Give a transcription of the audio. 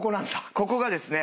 ここがですね